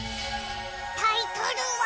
タイトルは。